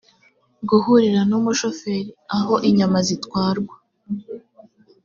gihurira n umushoferi aho inyama zitwarwa